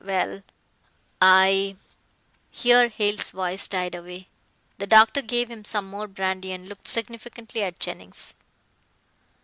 Well, I " here Hale's voice died away. The doctor gave him some more brandy and looked significantly at Jennings.